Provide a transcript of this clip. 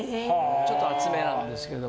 ちょっと厚めなんですけど。